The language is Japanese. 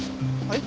はい？